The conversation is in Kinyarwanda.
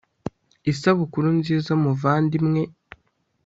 isabukuru nziza muvandimwe